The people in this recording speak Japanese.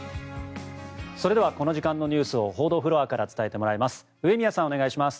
それではこの時間のニュースを報道フロアから伝えてもらいます上宮さん、お願いします。